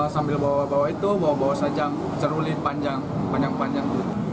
sambil bawa bawa itu bawa bawa sejam celurit panjang panjang panjang